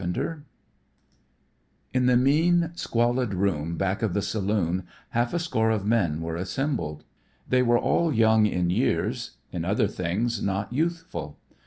IV The Workman In the mean squalid room back of the saloon half a score of men were assembled. They were all young in years, in other things not youthful.